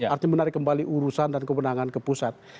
artinya menarik kembali urusan dan kemenangan ke pusat